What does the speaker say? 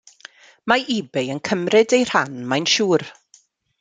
Mae ebay yn cymryd eu rhan, mae'n siwr.